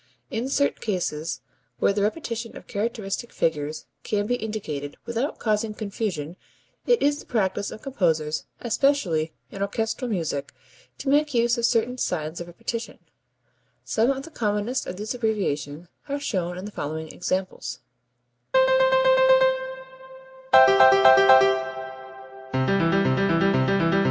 In certain cases where the repetition of characteristic figures can be indicated without causing confusion, it is the practice of composers (especially in orchestral music) to make use of certain signs of repetition. Some of the commonest of these abbreviations are shown in the following examples.